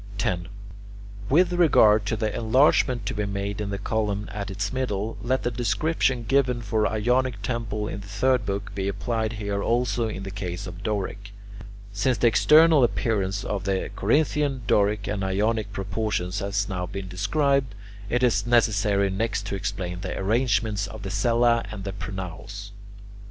10. With regard to the enlargement to be made in the column at its middle, let the description given for Ionic columns in the third book be applied here also in the case of Doric. Since the external appearance of the Corinthian, Doric, and Ionic proportions has now been described, it is necessary next to explain the arrangements of the cella and the pronaos.